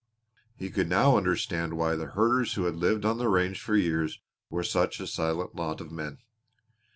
He could now understand why the herders who had lived on the range for years were such a silent lot of men.